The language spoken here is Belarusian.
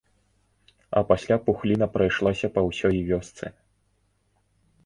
А пасля пухліна прайшлася па ўсёй вёсцы.